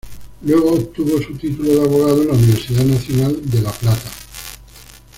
Luego obtuvo su título de abogado en la Universidad Nacional de La Plata.